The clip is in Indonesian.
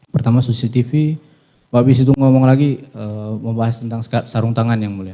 pertama cctv pak pece itu ngomong lagi membahas tentang sarung tangan ya mulia